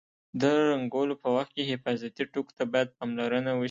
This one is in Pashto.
د رنګولو په وخت کې حفاظتي ټکو ته باید پاملرنه وشي.